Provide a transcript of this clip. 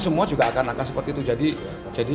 semua juga akan seperti itu jadi